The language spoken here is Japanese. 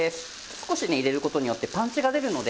少しね入れる事によってパンチが出るので。